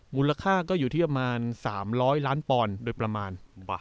มูลค่าก็อยู่ที่ประมาณ๓๐๐ล้านปอนด์โดยประมาณ